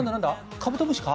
カブトムシか？